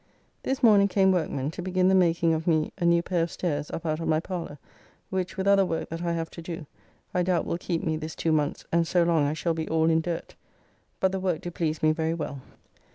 This morning came workmen to begin the making of me a new pair of stairs up out of my parler, which, with other work that I have to do, I doubt will keep me this two months and so long I shall be all in dirt; but the work do please me very well.